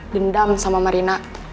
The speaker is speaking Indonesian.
dendam sama marina